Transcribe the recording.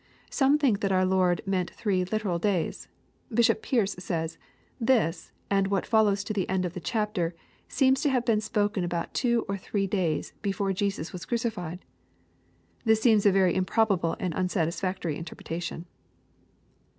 Some think that our Lord meant three literal days. Bishop Pearce says, " This, and what follows to the end of the chapter, seem to have been spoken about two or three days before Jesus was crucified." This seems a very improbable and unsatisfactory interpretation.